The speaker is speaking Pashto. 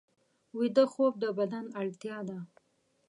ویده خوب د بدن اړتیا ده